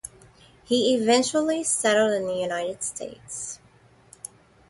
He eventually settled in the United States.